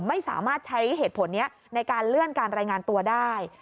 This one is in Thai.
ไม่สามารถใช้เหตุผลนี้ในการเลื่อนการรายงานตัวได้